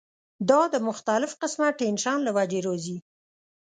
دا د مختلف قسمه ټېنشن له وجې راځی